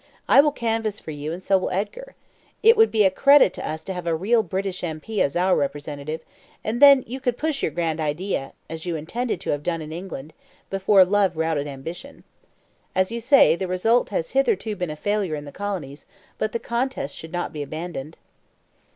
I will canvass for you, and so will Edgar. It would be a credit to us to have a real British M.P. as our representative, and then you could push your grand idea, as you intended to have done in England, before love routed ambition. As you say, the result has hitherto been a failure in the colonies, but the contest should not be abandoned."